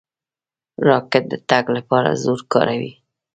راکټ د تګ لپاره زور کاروي.